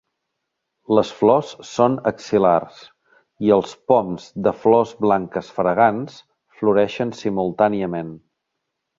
Les flors són axil·lars, i els poms de flors blanques fragants floreixen simultàniament.